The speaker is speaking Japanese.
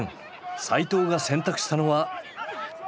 齋藤が選択したのは。